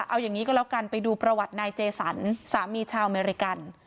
เอาอย่างนี้ก็แล้วกันไปดูประวัตินายเจสันสามีชาวอเมริกัน